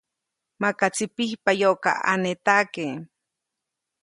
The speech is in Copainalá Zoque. Makaʼtsi pijpayoʼkaʼanetaʼke.